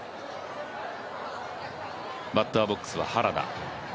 バッターボックスは、原田。